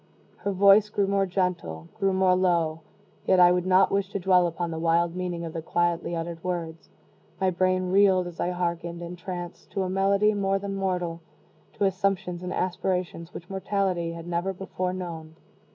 Her voice grew more gentle grew more low yet I would not wish to dwell upon the wild meaning of the quietly uttered words. My brain reeled as I hearkened, entranced, to a melody more than mortal to assumptions and aspirations which mortality had never before known.